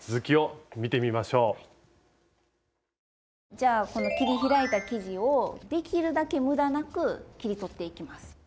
じゃあこの切り開いた生地をできるだけむだなく切り取っていきます。